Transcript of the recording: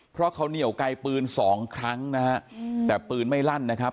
เพราะเขาเหนียวไกลปืนสองครั้งนะฮะแต่ปืนไม่ลั่นนะครับ